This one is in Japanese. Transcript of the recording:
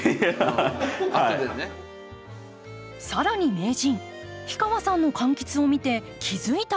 更に名人氷川さんの柑橘を見て気付いたことが。